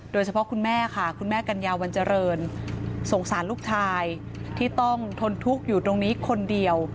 คุณแม่ค่ะคุณแม่กัญญาวันเจริญสงสารลูกชายที่ต้องทนทุกข์อยู่ตรงนี้คนเดียว